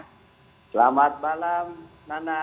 selamat malam nana